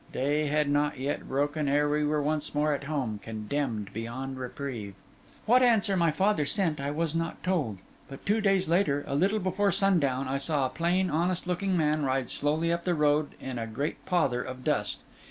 Day had not yet broken ere we were once more at home, condemned beyond reprieve. What answer my father sent I was not told; but two days later, a little before sundown, I saw a plain, honest looking man ride slowly up the road in a great pother of dust.